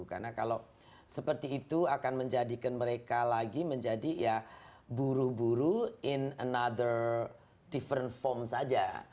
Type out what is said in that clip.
karena kalau seperti itu akan menjadikan mereka lagi menjadi ya buru buru in another different form saja